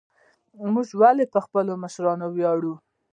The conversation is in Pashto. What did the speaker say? موږ ولې په خپلو مشرانو ویاړو؟